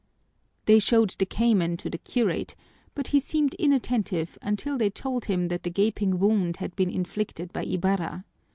They showed the cayman to the curate, but he seemed inattentive until they told him that the gaping wound had been inflicted by Ibarra.